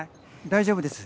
大丈夫です。